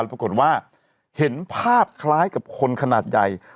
ปรากฏว่าเห็นภาพคล้ายกับคนขนาดใหญ่